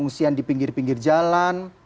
pengusian di pinggir pinggir jalan